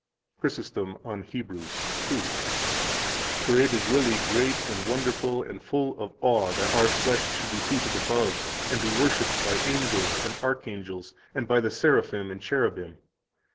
86 CHRYSOSTOM, on Heb. 2 (p. 125): "For it is really great and wonderful and full of awe that our flesh should be seated above, and be worshiped by angels and archangels and by the seraphim and cherubim.